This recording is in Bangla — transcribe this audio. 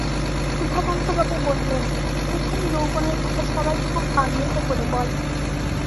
সুধাকান্তবাবু বললেন, প্রথম যৌবনের কথা সবাই খুব আগ্রহ করে বলে।